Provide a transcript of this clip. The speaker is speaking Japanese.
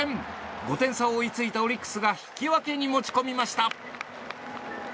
５点差を追いついたオリックスが引き分けに持ち込みました。